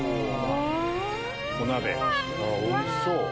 おいしそう。